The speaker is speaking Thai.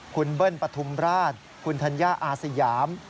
คุณเบิ้ลปฐุมราชคุณธัญญาอาสยาม